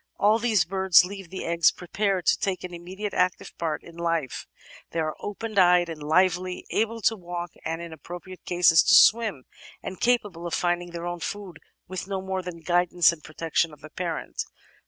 All these birds leave the egg prepared to take an immediate active part in life; they are open eyed and lively, able to walk — and, in appropriate cases, to swim — ^and capable of finding their own food with no more than the guidance and protection of the parent.